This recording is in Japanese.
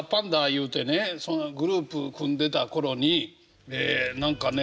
言うてねグループ組んでた頃に何かね